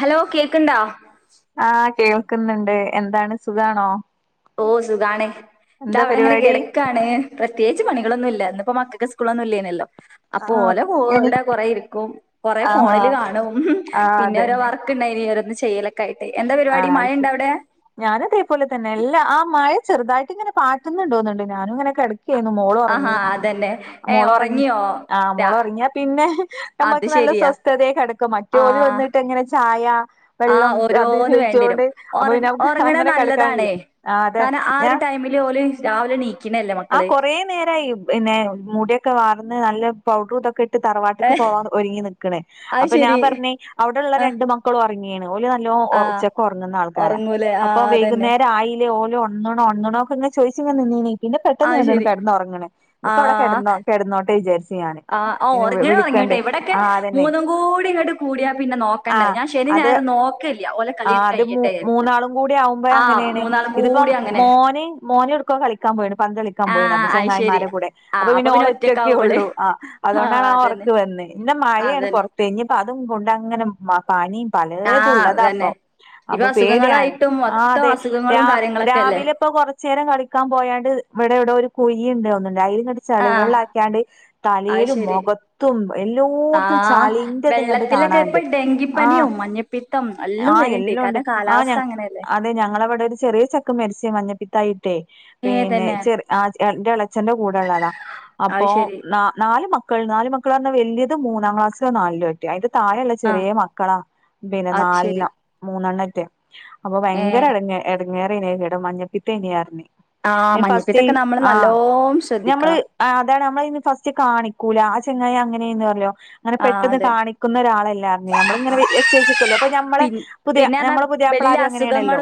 Hello കേൾക്ക്ണ്ടോ? ആഹ് കേൾക്കുന്ന്ണ്ട്. എന്താണ് സുഖാണോ? ഓ. സുഖാണ്. ഇതാ എന്താ ഇവടെ ഇങ്ങനെ പരിപാടി കെടക്കാണ് പ്രത്യേകിച്ച് പണികളൊന്നു ഇല്ല. ഇന്നിപ്പം മക്കക്ക് സ്കൂളൊന്നു ഇല്ലേനല്ലോ അപ്പൊ ആഹ് ഓലെ എനി കൂടെ കൊറേ ഇരിക്കും. കൊറെ ആഹ് ഫോണില് കാണും ആഹ് പിന്നെ ഓരോ അതന്നെ വർക്ക് ക്ക് ഇണ്ടായിനി ഓരോന്ന് ചെയ്യലൊക്കെ ആയിട്ട്. എന്താ പരിപാടി മഴ ഇണ്ടൊ അവിടെ? ഞാനു അതേപലെ തന്നെ എല്ല ആ മഴ ചെറുതായിട്ട് ഇങ്ങനെ പാറ്റുന്നുണ്ടോന്നുന്ന്ണ്ട് ഞാനും ഇങ്ങനെ കെട - ക്കേന്നു. മോള് ആഹാ ഒറങ്ങി അതന്നെ. ഏ മോള് ഒറങ്ങി ഉറങ്ങിയോ? ആഹ് രാ മോളൊറങ്ങ്യാ പിന്നെ- അത് നമ്മക്ക് നല്ല ശരിയാ. സ്വസ്ഥതയെ കെടക്കും മറ്റു ഓല് വന്നിട്ട് ഇങ്ങനെ ചായ ആഹ് വെള്ളം അത് ഓരോ- ഇന്ന് വേണ്ട്യേരും ചോയിച്ചോണ്ട് അപ്പൊ ഒറ പിന്നെ നമുക്ക് ഒറങ്ണത് അങ്ങനെ കിടക്കാൻ നല്ലതാണെ കഴിയൂല ആഹ് അതെ കാര്ണം ആ. ഞാൻ ഒരു ടൈമിലോല് രാവിലെണീ പിന്നെല്ലമക്ക ആ കൊറേ നേരായി. പിന്നെ മുട്യക്കെ വാർന്ന് നല്ല പൗഡ്രു ഇതൊക്കെ ട്ട് തറവാട്ടക്ക് ഏഹ് പോവാ ഒരുങ്ങി നിക്ക്ണ് അത് അപ്പ ശരി. ഞാൻപറഞ്ഞ് അവിടെ ഇള്ള ആ രണ്ട്മ ക്കള് ഒറങ്ങീണ്. ഓല്നല്ലോ ആ ഉച്ചക്കൊറങ്ങ്ന്ന ആൾക്കാരാ ഒറങ്ങൂലേ അപ്പ ആഹ് അതന്നെ വൈകുന്നേരായിലെഓലഒ ന്ന്ണോ ഒണ്ന്ന്ണോക്കെങ്ങെ ചോയിച്ച്ങ്ങെ നിന്നീനി പിന്നെ പെട്ടന്ന് അത് ക്കണ്ട്ണ് ശരി. കെട്ന്നോറങ്ങ്ണ് ആഹ് ഇപ്പവിടെകെടന്നൊ കെടന്നോട്ടെ വിചാരിച് ആഹ് ഒഹ് ഒറ്ങ്ങ്ണോ ഒറ്ങ്ങ്യോട്ടെ ഇവിടെ ഒക്കെ ആ അതന്നെ മൂന്നുംകൂടി ഇങ്ങട്ട്കൂടിയാ പിന്നെ നോക്കണ്ട ഞാൻ ശനി ഞായറും നോ ആഹ് അത് മു മൂന്നാളും കൂടി ആകുമ്പോ ആഹ് അങ്ങനേണ് മൂന്നാളും ഇത്പ്പം കൂടി അങ്ങനെ മോന് മോന് ഒടുകൊകളി ക്കാപോയിണ് പന്തളിക്കാ പോയിണ് ആഹ് അപ്പൊ അത് ശരി. ചെങ്ങായിമാരെ കൂടെ അപ്പൊ ആഹ് പിന്നെ ഓളൊറ്റൊക്കെ ഒറ്റക്കാവും ഇവള് ഒള്ളുആ ആഹ് അതന്നെ അതുകൊണ്ടാണ്ആഒറക്ക് വന്ന് പിന്നെ അതന്നെ മഴയാണ്പൊറത്ത്ഞ്ഞിപ്പ അതുംകൊണ്ടങ്ങനെമ ആഹ് പനിംപലേതുള്ളത അതന്നെ. ഇപ്പൊ അസുഖങ്ങളായിട്ടും മൊത്തം പ്പൊഅപ്പോപേടിയാണ്ആഹ്തെ അസുഖങ്ങളും രാവി കാര്യങ്ങളൊക്കെ അല്ലേ രാവിലെപ്പോകൊറ ചേരംകളിക്കാപോയാണ്ട്ഇവിടെവിടെരുകുയിണ്ടോന്ന്ണ്അയിന്നൊര് ആഹ് ചളിവെള്ളാക്ക്യാണ്ട് അത് തലേലും ശരി. മൊഖത്തുംഎല്ലോടത്തുംചളി വെള്ളത്തിലൊക്കെഇപ്പം ഡെങ്കിപ്പനിയും മഞ്ഞപ്പീത്തം ആഹ്എല്ലാംണ്ട്ആ ഞഅതെ ഞങ്ങളവിടെരു ചെറിയ ചെക്കൻ മരിച്ച് മഞ്ഞപ്പിത്തായി് ട്ടെ ഏഹ് തന്നെ പിന്നെചെറആഅന്റെഎളച്ചന്റെ കൂടെള്ളതാ. അത് അപ്പോ ശെരി നനാല്മക്കൾനാല് മക്കള് ന്നറിഞ്ഞ വല്ല്യയത് മൂന്നാം ക്ലാസ്സിലോ നാലിലോരി ട്ടി അയിന്റെ താഴെ ഇള്ള ആഹ് ചെറ്യേ മക്കളാ പിന്നെ അത് ശെരി നാലെണ്ണം മൂന്നെണ്ണറ്റെ അപ്പൊ ഭയങ്കര ഏഹ് എടങ്ങ എടങ്ങേറയിനി കേട്ടപ്പ് മഞ്ഞപ്പീത്തേനി അർഞ്ഞ് ആഹ് ഹ് മഞ്ഞപ്പിത്തൊക്കെ നമ്മള് ഫസ്റ്റ്ആഹ് നല്ലോം ഞമ്മള് ശ്രദ്ധിക്കണം ആഹ് അതാണ് നമ്മളയിന്ഫസ്റ്റ് കാണിക്കൂലആചെങ്ങായി അങ്ങനെയന്നാലോ. ആഹ് അതെ അങ്ങനെപെട്ടെന്ന്കാണിക്കുന്ന ഒരാളല്ലാർന്നേ നമ്മള്ങ്ങനെച്ചേച്ചിക്കല്ലോഅപ്പൊ നമ്മളെ പിന്നെന്നവല്ല്യ അസുഖങ്ങളൊന്നുംവരൂലല്ലോ പുതിയാപ്പ്ളാരും അങ്ങനെയാണല്ലോ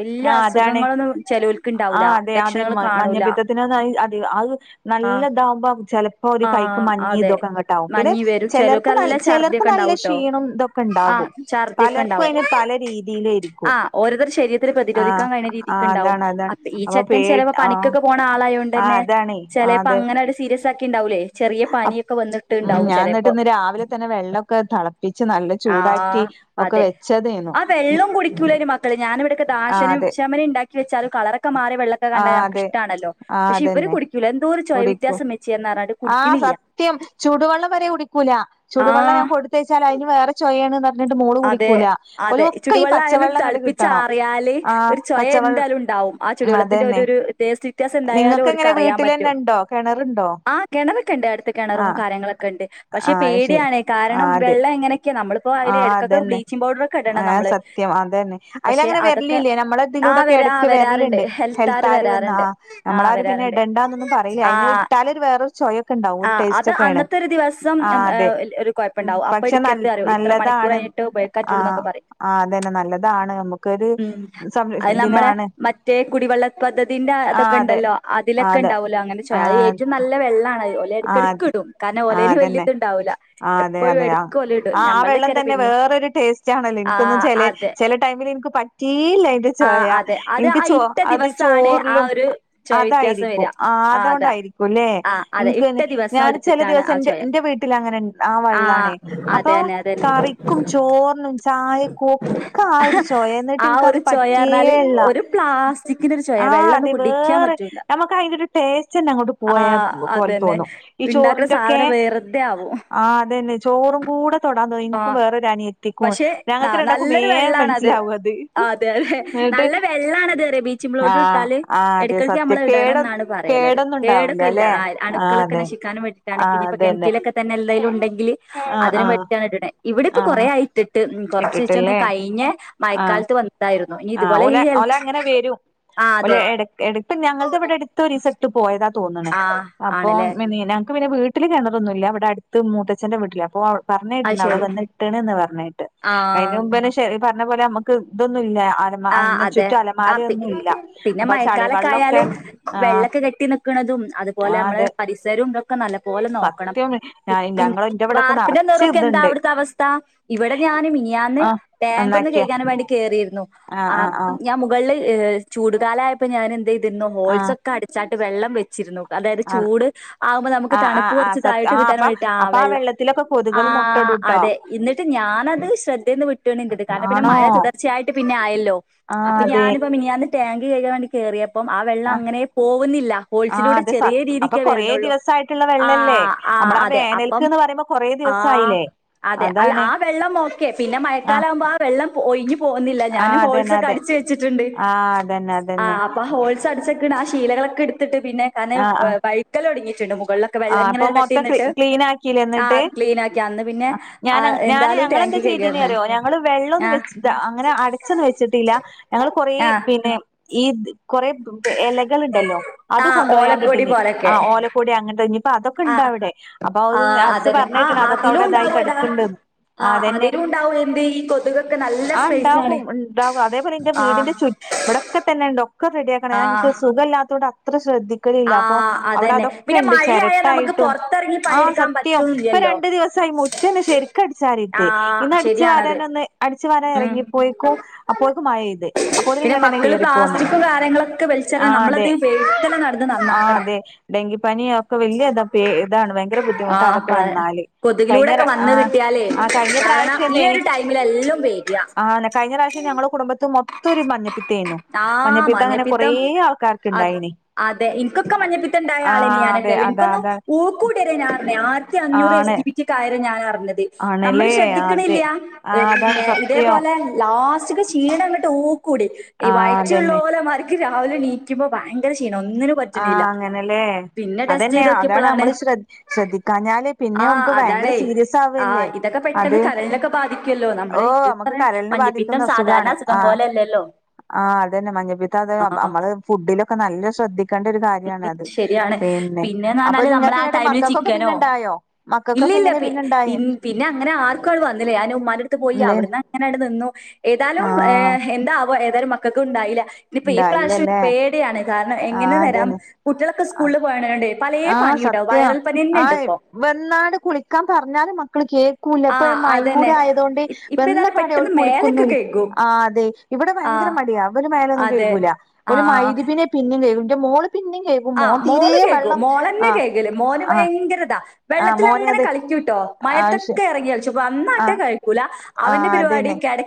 വല്ല്യഅസുഖങ്ങളൊന്നുംചെലോൽ ആഹ്അതെഅതെമ മഞ്ഞപ്പിത്തത്തിനഅതഅയ് ആഹ് നല്ലതാകുമ്പചെല ഇപ്പൊഒരുകൈക്ക് ആഹ് മഞ്ഞി അതെ ഇതൊക്കെഇങ്ങട്ടാവുംപിന്നെ മഞ്ഞി വരും ചെലോൽക്ക് നല്ല ഛർദിയൊക്കെ ചെലർക്ക്ചെലർക്ക്നല്ലക്ഷീണംതൊ ക്കെണ്ടാവും. ണ്ടാവുംആഓരോരുത്തർശരീരത്തി ആഹ് പ്രതിരോധിക്കാൻകഴിയിണരീതിക്ക് ആഹ് ണ്ടാവും അതാണ് അതാണ് അ അപ്പൊ പേ ഈചെക്കൻചെലപ്പോ ആഹ് ആഹ് അതാണേ ആഹ് അതെ പണിക്കൊക്കെപോണാളായോണ്ടന്നെചെലേപ്പങ്ങ ന്നട്സീരിയസാകിടവുലേചെറിയ പാനിയൊക്കെവന്നട്ട്ണ്ടാവുംചെലപ്പോ തന്നെവെള്ളൊക്കെതള വെച്ചതേന്നു ആഹ്അതെആവെള്ളം കുടിക്കൂലന്റമക്കള് ആ ഞാനിവിടൊക്കെദാഹശനും അതെ റ്റമിനിണ്ടാക്കി ക്കെയേച്ചാലുംകളറൊക്കെമാർയ ആ അതെ വെള്ളൊക്കെകണ്ടാനമക്കിഷ്ടണല്ലോ ആ പക്ഷഇവര് അതന്നെ കുടിക്കുലഎന്തോരു ചോയ വ്യത്യാസമേ ചെന്നറച്ച് ആഹ് സത്യംചുടുവെള്ളംവരെ കുടിക്കൂലചുടുവെള്ളംഞാൻ കൊടുത്തച്ചാൽഅതിന് വേറെ ചോയാണ്ന്ന്റ അതെഅതെചുടുവെള്ളായാലും പച്ചവെള്ളം ഇങ്ങട്ട് കിട്ടണം ആ തെളപ്പിച്ചാറിയാല്ഒരുചൊയ പച്ചവെള്ള എന്തായാലുണ്ടാവും. ആചുടുവെള്ളത്തിന്റെ അതന്നെ ഒരുരുടേസ്റ്റ് നിങ്ങൾക്ക് എങ്ങനെ വീട്ടിലന്നെ വ്യത്യാസണ്ടായാലുംഓർക്കറിയപറ്റും ഇണ്ടോ കിണറുണ്ടോ ആ കെണറൊക്കേണ്ടടുത്തു. ആ കെണറുംകാര്യങ്ങളൊക്കെണ്ട് ആ ശരി പക്ഷെപേടിയാണ്കാരണംവെള്ള എങ്ങനൊക്കെയാ നമ്മളിപ്പോയിൽലെര അതെന്നെ ആഹ്സത്യംഅതന്നെ പക്ഷെ അയിലങ്ങനെ അതൊക്കെ വിരലില്ലേനമ്മള ആ വരാ ആ ഇതിലൂടെക്കെഎടക്ക് വരാറുണ്ട് വെരല്ണ്ട് ഹെൽത്താര് ഹെൽത്താരു വന്നാ വരാറുണ്ട്. ആ നമ്മളാരു പിന്നെ വരാറുണ്ട്. ഇടേണ്ടന്നൊന്നുംപറയില ആ അയിന് ഇട്ടാലരു വേറൊരുചൊയ ണ്ടാവും ആ അത് ഒരുടേസ്റ്റോക്കൊണ്ആ അന്നത്തെ ഒരു ദിവസം ഉം, ഏഹ്, ഒരു കുഴപ്പുണ്ടാവും. അപ്പൊ എടുക്കരുത് പറയും ഇത്ര മണിക്കൂർ അതെപക്ഷെനനല്ലതാണ്. കഴിഞ്ഞിട്ട് ഉപയോഗിക്കാൻ പറ്റുള്ളൂ ആഹ് എന്നൊക്കെ പറയും. ആഅതന്നെനല്ലതാണ് നമ്മുക്കൊരുസംരക്ഷണത്തിനാണ്. മറ്റേകുടിവെള്ള പദ്ധതിന്റെ ആ അതെ അതൊക്കെണ്ടല്ലോഅതിലൊക്കെണ്ടാവോല്ലോഅങ്ങനെോചൊയ അത്ഏറ്റവുംനല്ല വെള്ളണത് ഇതുണ്ടാവൂല എപ്പോഴും ആഹ്തെആതന്നെആഅതെഅതെ എടക്ക് ഓല് ഇടും ഞമ്മൾതൊക്കെരം പിന്നിം ആആവെള്ളംതന്നെവേറൊരു- ആ അതെ ടേസ്റ്റാണല്ലോഇനിക്കൊന്നുംചെലചേലെടൈമില്ഇനിക്ക്പറ്റേയില അയിന്റെ ആ അതെ അത് ചോയനിക്ക് ആ ചോ ഇട്ട ദിവസാണ് ആ ഒരു ചൊയ വ്യത്യാസം വര അത്ചോറിലുംഅതായിരിക്കും ആ അതാ ആ അതെ അതൊണ്ടായിരിക്കുംല്ലെഇൻക്ക് ഇട്ട ദിവസം ഞാൻ ചെല എടുത്തിട്ടാണ് ആ ദിവസം ചൊയ എന്റെ വീട്ടിൽ അങ്ങനെ ആ വെള്ളാണേ അപ്പൊ അതെന്നെ അതെന്നെ കറിക്കും ചോർനും ചായക്കും ഒക്ക്- ഒക്കെ ആ ഒരു ചൊയ എന്നിട്ട് ആ എനിക്കത് ഒരു ചൊയ പറഞ്ഞാല് പറ്റേല്ല ഒരു പ്ലാസ്റ്റിക്കിന്റെ ഒരു ചൊയ ആഹ് അതെ വെള്ളൊന്നും കുടിക്കാൻ വേറെ പറ്റൂല നമുക്ക് അതിന്റെ ഒരു ടേസ്റ്റന്നെ അങ്ങോട്ട് പോയ ആഹ് പോലെ അതന്നെ. തോന്നും ഈ ഇണ്ടാക്ക്ണ ചോറിന്റൊക്കെ സാധനം വെറുതെ ആവും. ആ അതെന്നെ ചോറും കൂടെ തൊടാൻ തോന്നൂല എനിക്കും ആഹ് വേറൊരു അനിയത്തിക്കും പക്ഷെ ന ഞങ്ങൾക്ക് രണ്ടാക്കും നല്ലൊരു വേഗം വെള്ളാണത്. മനസ്സിലാവും അത്. അതെ അതെ ന്നട്ട് നല്ല വെള്ളാണ് അതെന്ന് പറയ ബ്ലീച്ചിങ് പൌഡർ ആഹ് ഇട്ടാല് ആഹ് അതെ എടക്കെടക്ക് നമ്മള് സത്യം അത് ഇടണം കേട എന്നാണ് പറയല്ലത് കേടൊന്നും ഉണ്ടാവൂല കേടൊക്കെല്ല ല്ലേ ആയ് ആഹ് അണുക്കളൊക്കെ അതെ നശിക്കാനും വേണ്ടിയിട്ടാണ് ആഹ് ഇനിയിപ്പ അതന്നെ കെണറ്റിലൊക്കെതന്നെ എന്തെങ്കിലും ഉണ്ടെങ്കില് ആഹ് അതിനും ആഹ് വേണ്ടിയിട്ടാണ് ഇടണേ ഇവിടെപ്പൊ കൊറേ ആഹ് ആയിട്ടിട്ട് കൊറച്ചീ ചെ ഒന്ന് ഇട്ടിട്ടല്ലേ കഴിഞ്ഞ ആഹ് മഴക്കാലത്ത് വ ഇതായിരുന്നു ഇനി ആഹ് ഇതുപോലെ ഓല ഈ ഹെൽ ആ അതെ എട്ക്ക്ഞങ്ങക്ക് രീസംഇവിടെ അടുത്ത് ഒരു ദിവസം ഇട്ട് പോയതാ തോന്നണ് ആഹ് അപ്പം ആണ്ല്ലേ ഞങ്ങക്ക് പിന്നെ വീട്ട് വീട്ടില് കിണറൊന്നുല്ല ഇവിടെ അടുത്ത് മൂത്തച്ഛന്റെ വീട്ടിലാ അപ്പോൾ പറഞ്ഞ് അത് കേട്ടിട്ടുണ്ട് അവിടെ ശരി വന്നിട്ടണന്ന് പറഞ്ഞ് കേട്ട് അതിന് ആഹ് മുമ്പന്നെ ശെരി ഈ പറഞ്ഞ പോലെ നമുക്ക് ഇതൊന്നുമില്ല ആഹ് അതെ ആ പി പിന്നെ അപ്പൊ ആ ചളി മഴക്കാലൊക്കെ ആയാല് വെള്ളൊക്കെ ആഹ് വെള്ളൊക്കെ കെട്ടിനിക്ക് നീക്കണത്തും അതുപോലെ ആഹ് നമ്മള് അതെ പരിസരും ഇതൊക്കെ ഒക്കെ നല്ല പോലെ നോക്കണം സത്യം ഞാ ഇൻ ഞങ്ങള് ഇന്റെ ഇവിടൊക്കെ വാർപ്പിന്റെ നറച്ച് നെറൊക്കെ എന്താ ഇത്ണ്ട് അവിടുത്തെ അവസ്ഥ ഇവിടെ ഞാന് മിനിയാന്ന് ആഹ് ടാങ്ക് ഒന്ന് നന്നാക്കിയാ കഴുകാൻ വേണ്ടി കേറിയിരുന്നു ആഹ് അപ്പ് ഞാൻ മുകളിൽ ചൂടുകാലയപ്പോ ഞാനെന്ത് ചെയ്തിരുന്നു ഹോൾസ് ആഹ് ഒക്കെ അടച്ച് ച്ചാണ്ട് വെള്ളം വെച്ചിരുന്നു അതായത് ആഹ് ചൂട് ആകുമ്പോ നമുക്ക് ആഹ് തണുപ്പ് ആഹ് ആഹ് കൊറച്ച് സത്യം താഴോട്ട് ആഹ് കിട്ടാൻ അപ്പ വേണ്ടിയിട്ട് ആഹ് അപ്പൊ ആ വെള്ളം വെള്ളത്തിലൊക്കെ കൊതുകള് ആഹ് മുട്ടടുട്ടോ അതെ എന്നിട്ട് ഞാനത് ശ്രദ്ധേൽന്ന് വിട്ട്ക്ണ് അത് കാരണം പിന്നെ ആണോ മഴ തുടർച്ചയായിട്ട് പിന്നെ ആയല്ലോ ലോ, ആഹ് അപ്പൊ അതെ ഞാനിപ്പോ മിനിഞ്ഞാന്ന് ടാങ്ക് കഴുകാൻ വേണ്ടി കേറിയപ്പം ആ വെള്ളം ആഹ് അങ്ങനെ പോകുന്നില്ല ഹോൾസിലൂടെ ചെറിയ രീതിക്കേ വരുന്നുള്ളൂ ക്കില്ല വെള്ളല്ലേ നമ്മള് ആ അപ്പം വേനൽക്ക്ന്ന്‌ പറയുമ്പോ കൊറേ ആ ദിവസായില്ലേ അതെ അല്ല അതാണ് ആ വെള്ളം ഓക്കെ പിന്നെ ആഹ് മഴക്കാലം ആകുമ്പോ ആ വെള്ളം ഒഴുകി പോകുന്നില്ല ഞാന് ആഹ് ഹോൾ അതന്നെ ഹോൾസൊക്കെ അതെ അടച്ചു വെച്ചിട്ടുണ്ട് ആഹ് അതന്നെ അതന്നെ ആഹ് അപ്പൊ ഹോൾസ് അടച്ച് വെക്കുന്ന ആ ശീലകളൊക്കെ എടുത്തിട്ട് പിന്നെ ഞാൻ ആഹ് ആഹ് വഴുക്കൽ തൊടങ്ങിട്ടുണ്ട് മുകളിലെ ലൊക്കെ വെള്ളം ആഹ് അപ്പൊ ഇങ്ങനെ കെട്ടി മൊത്തം ക്ലീ നിന്നിട്ട് ക്ലീൻ ആക്കില്ലേ ആഹ് എന്നിട്ട് അത് ക്ലീനാക്കി അന്ന് പിന്നെ ആ എന്തായാലും ടാങ്കി ചെയ്തേനി കഴുകിയാരുന്നു അറിയോ ഞങ്ങള് വെള്ളൊന്നും ആഹ് വെച്ച്ട്ട അങ്ങനെ അടച്ചി അടചൊന്നും വെച്ചിട്ടില്ല ഞങ്ങള് കൊറേ ആഹ് പിന്നെ ഈ ഇത് കൊറെ ഇലകൾ ഉണ്ടല്ലോ അത് ആഹ് കൊണ്ടുപോയാണ്ട് ഓലക്കൊടി ഇട്ടിനി ആ പോലൊക്കെ ഓലക്കൊടി അങ്ങനെത്തെ അപ്പൊ അതൊക്കെ ഇണ്ട് ആഹ് ആവടെ അപ്പൊ അത് ആഹ് ഹസ്സ് അതന്നെ പറന്നേക്ക്ണ് കേട്ട്ക്ണ് ആഹ് അതൊക്കെ അതിലും അവിടെ ഇതായി ഉണ്ടാവടാ കെടക്കുന്നുണ്ടെന്ന് ആഹ് അതന്നെ അതിലും ഉണ്ടാവും എന്ത് ഈ കൊതുകൊക്കെ നല്ല ആഹ് സ്പേസാണ് ഇണ്ടാകും ഇണ്ടാവും അതേപോലെ എന്റെ വീടിന്റെ ആഹ് ചു ഇബടെയൊകെതെന്നെണ്ട് ഒക്കെ റെഡിയാക്കണം ഞാന് ഇൻക്ക് ആഹ് ഒര് സുഖല്ലാത്തോണ്ട് അത്ര ശ്രദ്ധി ദ്ധിക്കലില്ല അപ്പൊ ആഹ് അവിടെ അതന്നെ പിന്നെ അതൊക്കെണ്ട് മഴയായാൽ നമുക്ക് ചേരട്ടയിട്ടും പുറത്തിറങ്ങി ആഹ് പണിയെടുക്കാൻ സത്യം ഇപ്പൊ പറ്റൂല്ലല്ലോ രണ്ടു ദിവസമായി മുറ്റൊന്ന് ശരിക്ക് ക്ക്, അടിച്ചരിട്ട് ആഹ് ഇന്ന് അടിച്ചു ശരിയാണത് വാരാൻ ഒന്ന് അടിച്ചു വാരാൻ ഉം ഇറങ്ങിയപ്പോക്കും അപ്പോയെക്കും മഴ പെയ്ത് അപ്പോത്തിന് പിന്നെ ഇങ്ങട്ടന്നെ മക്കള് കേറിപ്പോന്ന് പ്ലാസ്റ്റിക്കും കാര്യങ്ങളൊക്കെ വലിച്ചെറിഞ്ഞാ നമ്മളത് വെയ്ത്താലെ നടന്ന് ആഹ് നന്നാക്കണം അതെ ഡെങ്കി പനിയും വലിയ ഇതാണ് ഭയങ്കര ബുദ്ധിമുട്ടാണ് ആഹ് അതൊക്കെ വന്നാല് കഴിഞ്ഞ ര ആഹ് കിട്ടിയാല് കാരണം ഈ ഒരു ടൈമില് എല്ലാം വരാം ആഹ് കഴിഞ്ഞ പ്രാവശ്യം ഞങ്ങളുടെ കുടുംബത്തിൽ മൊത്തം ഒരു മഞ്ഞപ്പിത്തം ആയിരുന്നു മഞ്ഞപ്പിത്തം അങ്ങനെ കുറേ അത് ആൾക്കാർക്ക്ണ്ടായീനി അതെ എനിക്കൊക്കെ മഞ്ഞപ്പിത്തണ്ടായ ആളെയ്ന് ഞാനൊക്കെ അതെ അതാ എനിക്കൊന്നും അതാണ് ഊക്കൂടി വരാന്നേ ഞാ ആയിരത്തി അഞ്ഞൂറ് എസ് ആണ് ജി ബി ട്ടി അയരേം ഞാനൊക്കെ അറിഞ്ഞത് ആണല്ലേ നമ്മള് അതെ ശ്രദ്ധിക്കണില്ല ഏ ആഹ് അതാണ് പിന്നെ സത്യം ഇതേപോലെ ലാസ്റ്റ്ക്ക് ക്ഷീണം അങ്ങോട്ട് ഊക്കൂടി ഈ ആഹ് അതന്നെ വയറ്റിലുള്ളോരെ മാരി ഇൻക്ക് രാവിലെ നീക്കുമ്പോ ഭയങ്കര ക്ഷീണം ഒന്നിനും ആഹ് പറ്റണില്ല അങ്ങനെല്ലേ പിന്നെ ടെസ്റ്റ് അതന്നെ അതാണ് ചെയ്തോക്കിയപ്പളാണ് നമ്മള് ശ്ര ശ്രദ്ധിക്കാഞ്ഞാല് പിന്നെ ആ നമുക്ക് ഭയങ്കര അതാണേ. സീരിയസ് ആ ആവല്ലേ ഇതൊക്കെ പെട്ടെന്ന് അത് കരളിനൊക്കെ ബാധിക്കുവല്ലോ. ഓ നമ്മള് ഇത് നമ്മക് പറയ കര മഞ്ഞപ്പിത്തം ബാധിക്കുന്ന സാധാരണ അസുഖണ് അസുഖം ആഹ് പോലെയല്ലല്ലോ. ആഹ് അതന്നെ മഞ്ഞപ്പീത്ത അത് ആ നമ്മള് ഫുഡിലൊക്കെ നല്ല ശ്രദ്ധിക്ക ഉം ശരിയാണ് പിന്നെന്ന് അപ്പൊ പറഞ്ഞാല് നമ്മള് നിങ്ങൾക്ക് ആ ഇങ്ങട്ട് ടൈമില് മക്കൾക്കൊക്കെ പിന്നെ ചിക്കനോ ഇണ്ടായോ ഇല്ല മക്കൾക്കൊക്കെ ഇല്ല എങ്ങനെ പിന്നെ ഇണ്ടായേ പിന്നെ അങ്ങനെ ആർക്കും വന്നില്ല ഞാൻ ഉമ്മാന അടുത്ത് പോയി ഇല്ലേ അവിടുന്ന് അങ്ങനെ നി ന്നു, ഏതാലും ആഹ് എന്താ ആവാ ഏതായാലും മക്കൾക്ക് ഇണ്ടായില്ല ഇനിപ്പൊ ഈ പ്രാവശ്യം ഇണ്ടായില്ലല്ലേ പേടിയാണ് കാരണം എങ്ങനെ ആഹ് തരാം അതന്നെ കുട്ടികളൊക്കെ സ്കൂളിൽ പോണൊണ്ടേ പലേ പനിണ്ടാവും വൈറൽ പനിന്നെ ഇണ്ട് ഇപ്പോ വന്നാട് കുളിക്കാൻ പറഞ്ഞാലും മക്കൾ കേ ആ ക്കുല്ല മഴയും അതന്നെ. കൂടെ ആയതോണ്ട് ഇപ്പ വെന്ന ഏതായാലും പാടെ അവള് പെട്ടെന്ന് മേലൊക്കെ കുളിക്കുന്നുല്ല കഴുകും. ആഹ് അതെ ഇബടെ ആ ഭയങ്കര മടിയ അവര് മേലൊന്നും അതെ കേക്കൂല്ല കെക്കുല്ല ആ ഓല് മൈരിപിനെ പിന്നെയും വരും ഇന്റെ മോള് പിന്നെയും കെക്ക് ആഹ് മോള് കെക്കും മോളന്നെ കേക്കല് മോന് ആഹ് ഭയങ്കര ഇതാ ആഹ് മോന് വെള്ളത്തിലാങ്ങനെ അത് കളിക്കൂട്ടോ ആവശ്യം മയത്തൊക്കെ ഇറങ്ങി കളിച്ചും ആ വന്നട്ടെ കഴിക്കൂല ആ അവന്റെ പരിപാടി അതന്നെ കട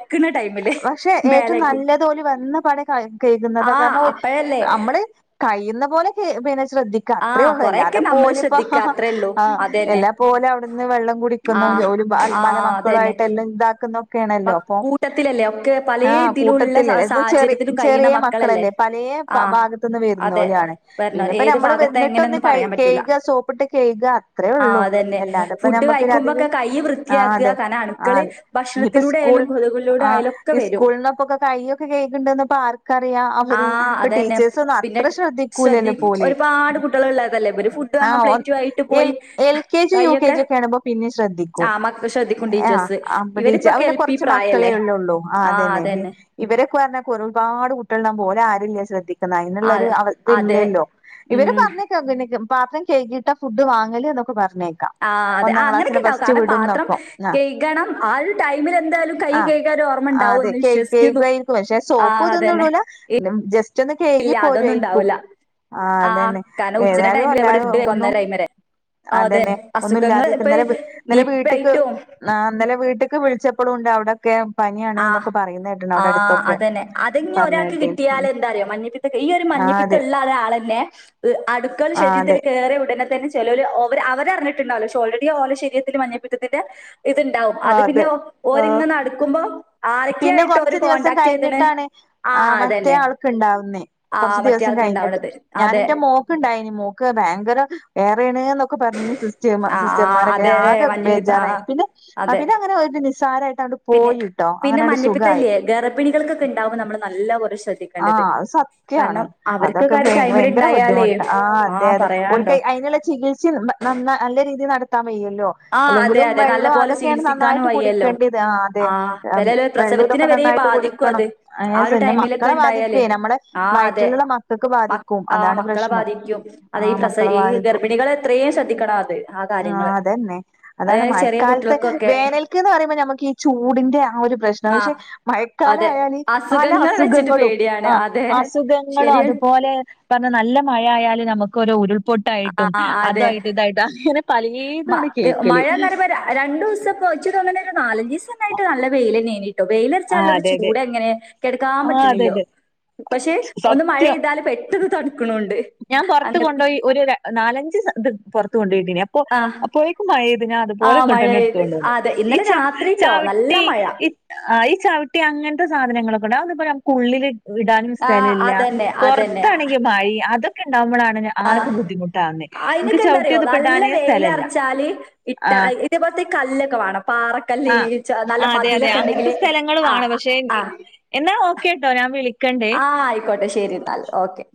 പക്ഷെ ഏറ്റവും നല്ലതു ഓല് വന്ന പാടെ കെ കഴിക്കുന്നത ആ കാരണം ഓല് അപ്പഴല്ലേ നമ്മള് കഴിയുന്ന പോലെ പിന്നെ ശ്രദ്ധിക്ക ആ അത്രേ ഉള്ളൂ കൊറെയൊക്കെ എല്ലാതെ നമ്മള് പോലും ഇപ്പ ശ്രദ്ധിക്ക ഹ ഹാ അത്രേ ഉള്ളൂ ആ അതന്നെ എല്ലാ പോലും അവിടുന്ന് വെള്ളം കുടി ആ ഒരു ആ മല മക്കളു അതന്നെ ആയിട്ട് എല്ലാം ഇതാക്കുന്ന ഒക്കെയ ആണല്ലോ അപ്പൊ അല്ല ഒക്കെ പലേ ആഹ് ഇതിലുള്ള കൂട്ടത്തില്ലേ സാ അ ചെ സാഹചര്യത്തിലും കഴിയണ ചെറിയ മക്കളല്ലേ പലയ ആ ഭാഗത്തു നിന്ന് അതെ വരുന്നോലാന്. വരണം പിന്നെ ഇപ്പ ഏത് നമ്മള് ഭാഗത്താ വന്നിട്ടൊന്ന് എങ്ങനെയൊന്നും പറയാൻ പറ്റൂല കഴുക സോപ്പിട്ട് കഴുക അത്രേ ആ ഉള്ളൂ അതന്നെ. അല്ലാതെ അപ്പൊ ഫുഡ് നമ്മക്ക് അതൊരു കഴിക്കുമ്പൊക്കെ കൈ ആ അതെ ആ അതെ ത്തിലൂടെയാലും [unintelligible] ആ ഈ സ്കൂളിനപ്പൊക്കെ കൈയ്ഒകെ കയ്കുന്നുണ്ട് ആർക്കറിയാം ആ അവര് ഇ അതന്നെ. ടീച്ചേ പിന്നെ അത്ര ശ്രദ്ധി ശ്രദ്ധിക്കൂലല്ലോ പോൽ ഒരുപാട് കുട്ടികളുള്ളതല്ലേ ഇവര് ഫുഡ് ആ വാങ്ങാൻ എൽ പ്ലേറ്റു ആയിട്ട് എൽ പോയി എൽ ക- കെ ജി യു കെ കൈയൊക്കെ ജിക്കെ കാണുമ്പോ പിന്നെ ആ ശ്രദ്ധിക്കും മക്ക ശ്രദ്ധിക്കും ആ ടീച്ചേഴ്സ്. ഇവരിപ്പൊക്കെ അവന് എൽ പി കുറച്ച് മക്കളെ പ്രായല്ലേ. ള്ളു ആ അതെന്നെ ഇവരൊക്കെ പറഞ്ഞ ഒരുപാട് കുട്ടികൾ ഉണ്ടാകുമ്പോ ഓലെ ആരും ഇല്ല ശ്രദ്ധിക്ക ആ അങ്ങനുള്ളൊരു അവസ്ഥ അതെ. ഇല്ലല്ലോ ഇവര് ഉം പറഞ്ഞേക്കാം പാത്രം കഴികിട്ടാ ഫുഡ് വാങ്ങല് എന്ന് ഒകെ പറഞ്ഞേ ആഹ് അതെ ആ അങ്ങനെയൊക്കെ ഉണ്ടാവും കാരണം പാത്രം ആഹ് കഴണം ആ ഒരു ടൈമിൽ എന്തായാലും കൈ ആഹ് കഴു ആ അതേ കഴുകായിരിക്കും പക്ഷെ ആ സോപ്പ് ഇതൊന്നും അതന്നെ. ഇടൂല ജസ്റ്റ് ചന്ന് കഴുകി ഇല്ല അതൊന്നും പോരുമായിരിക്കും ഉണ്ടാവൂല ആ ആഹ് അതന്നെ കാരണം ഉച്ചന്റെ ഏതായാലും ടൈമിൽ എവിടെ അല്ലരും ഫുഡ് ഒന്നും ഒന്നര ടൈം വരെ ആ, അതെ അതന്നെ ഒന്നും അസുഖങ്ങൾ ഇല്ലാതരിക്ക ഇപ്പൊ ഇന്നലെ നിപ്പ വീട്ട്ക്ക് ആയിട്ടും ആ ഇന്നലെ വീട്ട്ക്ക് വിളിച്ചപ്പോഴും ഉണ്ട് അവിടൊക്കെ പനിയാണ് ആ എന്നൊക്കെ പറയുന്ന കേട്ട്ണ് ആ അവിടെ അടുത്തൊക്കെ അതന്നെ അതെങ്ങ പറഞ്ഞ ഒരാൾക്ക് കേട്ടീന് കിട്ടിയാല എന്താറിയോ മഞ്ഞപ്പി ഈ ഒരു ആ മഞ്ഞപ്പിത്ത അതെ ഉള്ള ഒരാളന്നെ അനുക്കൾ ആ ശരീരത്തിൽ അതെ കേയറി ഉടനെ തന്നെ ചിലോൽ അവര് അറിഞ്ഞിട്ടുണ്ടാവല്ലോ പക്ഷെ ഓൾറെഡി ഓല ശരത്തില് മഞ്ഞപ്പിതത്തിൻ്റ ഇത്ണ്ട് ണ്ടാവും ആ അത് പിന്നെ അതെ ആ ഓരിങ്ങങ് നടക്കുമ്പോ പിന്നെ ആരൊക്കെയായിട്ട് കൊറ്ച്ച് ഓര് ദിവസം കോണ്ടാക്ട് ചെയ്തണ് കഴിഞ്ഞിട്ടാണ് ആ ആഹ് മറ്റേ അതന്നെ ആൾക്ക്ണ്ടാവുന്നേ ആഹ് കുറച്ചു മറ്റേ ദിവസം ആൾക്ക് കഴിഞ്ഞിട്ട് ഇണ്ടാവണത് ഞാൻ അതെ എൻ്റെ മോൾ മോക്കുണ്ടായിനി മോക്ക് ഭയങ്കര ഏറെ യണ് എന്നൊക്കെ പറഞ്ഞ സിസ്റ്റർമാ ആ ആ സിസ്റ്റർമാരൊക്കെ അതെ അതെ ആകെ മഞ്ഞപ്പിത്തം ആ ബേജാറായി ആ, പിന്നെ ആ അതെ പിന്നെ അങ്ങനെ ഒരു നിസാരമായിട്ട് ആയി പോയിട്ടോ അങ്ങനെ അണ്ട് സുഖമായി. ഗർഭിണി കൾക്കെ ഉണ്ടാവും നമ്മ നല്ല പോലെ ശ്രദ്ധിക്കും ആഹ് അത് സത്യമാണ് അതൊക്കെ ആ ടൈമിൽ ഭയങ്കര ഉണ്ടായാലേ ബുദ്ധിമുട്ട് ആ അതെ അതെ ഓൽക്ക് അതിനുള്ള ചികത്സ ചിൽ നല്ല രീതിയിൽ നടത്താൻ വയ്യല്ലോ ആ അതെ അല്ലെങ്കിലും അതെ നല്ല വെള്ളം പോലെ അതൊക്കെയാണ് ചികിത്സിക്കാനും നന്നായിട്ട് വയ്യല്ലോ കുടിക്കേണ്ടത് ആ അതെ പെരേല് വെള്ളം പ്രസവത്തിനെ ഇതൊക്കെ വരെ നന്നായിട്ട് കുടി ബാധിക്കും കണം അത് അയ്ൻ്റെ ആ ഒരു ശേഷം ൻ്റെ മക്ക ടൈമിലൊക്കെ ക്കളെ ഉണ്ടായാലേ ബാധിക്കേ നമ്മുടെ ആ അതെ വയറ്റിലുള്ള മക്കൾക്ക് മ ബാധിക്കും ആ അതാണ് മക്കളെ പ്രശ്നം ബാധിക്കും അതെ ഈ ആഹ് പ്രസ മക്കളെ ഈ ബാധിക്കും ഗർഭിണികളെ എത്രയും ശ്രദ്ധിക്കണം അത് ആ കാര്യങ്ങള് അതന്നെ അതായത് ചെറിയ കാൽത്ത് കുട്ടികൾക്കൊക്കെ വേനൽക്ക്ന്ന് പറയുമ്പൊ നമക്ക് ഈ ചൂടിന്റെ ആഹ് ഒരു പ്രശ്നം ആഹ് പക്ഷെ അതെ മഴക്കാലായാല് പല അസുഖങ്ങൾ വെച്ചിട്ട് അസുഖങ്ങളും പേടിയാണ് ആഹ് അതെ അസുഖങ്ങളും ശരിയാണ് അതുപോലെ പർഞ്ഞാ നല്ല മഴയാല് നമുക്ക് ഒരു ആ ഉരുൾപൊട്ടായിട്ടും അതെ അതായിട്ടും ഇതായിട്ടും അങ്ങനെ പലേതും മ ആണ് കേക്കല് മഴാന്ന്റയ്മ്പോ രണ്ടൂസം ച്ച്തോന്ന്ണെ നാലഞ്ചീസായിട്ട് നല്ല വെയിലന്നേനി ആഹ് വെയിലർച്ചാള്ളൊരു അതെ അതെ ചൂടെങ്ങനെ കെടക്കാൻ ആഹ് അതെ പറ്റ്ണില്ലാ അതെ പക്ഷെ ഒന്ന് സത്യം മഴെയ്താല് പെട്ടെന്ന് തണ്ക്ക്ണൂണ്ട്. ഞാൻ പൊർത്ത് കൊണ്ടോയി ഒരു നാലഞ്ച് ഇത് പൊർത്ത് കൊണ്ടോയിട്ടീനി ആഹ് അപ്പോയേക്കും മഴയ്ത് ഞാൻ ആ അതുപലെ ഇങ്ങട്ടന്നെ എട്ത്ത് മഴെയ്ത് കൊണ്ടണ്ടന്ന് അതെ ഈ ഇന്നലെ ച രാത്രിട്ടോ നല്ല ചവിട്ടി മഴ ആഹ് ഈ ചവിട്ടി അങ്ങൻത്തെ സാധനങ്ങളൊക്കെ ഇണ്ടാവും അതൊന്നുപ്പ നമുക്ക് ഉള്ളിലിട്ട് ഇടാനും ആ സ്ഥലല്ലാ അതന്നെ അതന്നെ പൊർത്താണെങ്കി മഴിം അതൊക്കെ ഇണ്ടാകുമ്പളാണ് ആർക്കും ബുദ്ധിമുട്ടാവ്ന്നേ ഇൻക്ക് അയിനൊക്കെ എന്താറിയോ നല്ല ചവിട്ടിന്നുപ്പെടാനേ സ്ഥലല്ല ആഹ്. ഇതേപോൽത്തെ കല്ലൊക്കെ വാണം പാറക്കല്ല് ആഹ് നല്ല അതെ അതെ മതിലൊക്കെ അങ്ങനത്തെ ഇണ്ടെങ്കില് സ്ഥലങ്ങള് വേണം ആഹ് പക്ഷെ ആഹ് എന്നാ ഓക്കേട്ടോ ഞാൻ വിളിക്കണ്ട് ക്കോട്ടെ ശെരിന്നാല് ഓക്കെ